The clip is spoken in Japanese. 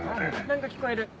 何か聞こえる。